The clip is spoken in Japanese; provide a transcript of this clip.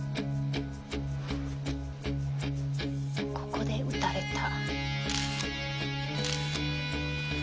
ここで撃たれた。